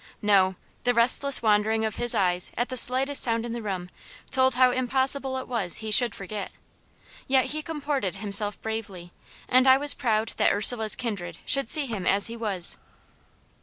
No; the restless wandering of his eyes at the slightest sound in the room told how impossible it was he should forget. Yet he comported himself bravely, and I was proud that Ursula's kindred should see him as he was.